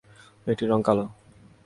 এটির রঙ কালো।